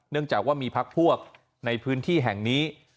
จากว่ามีพักพวกในพื้นที่แห่งนี้